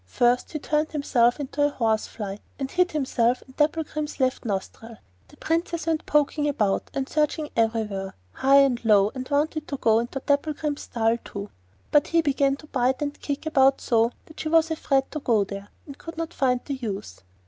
First he turned himself into a horse fly, and hid himself in Dapplegrim's left nostril. The Princess went poking about and searching everywhere, high and low, and wanted to go into Dapplegrim's stall too, but he began to bite and kick about so that she was afraid to go there, and could not find the youth.